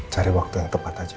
cari waktu yang tepat aja